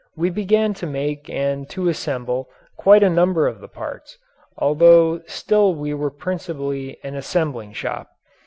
We began to make and to assemble quite a number of the parts, although still we were principally an assembling shop.